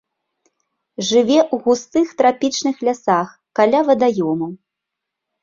Жыве ў густых трапічных лясах, каля вадаёмаў.